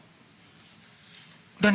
ini emas mentah